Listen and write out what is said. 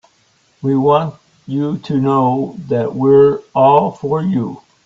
We want you to know that we're all for you.